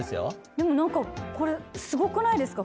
でも何かこれすごくないですか？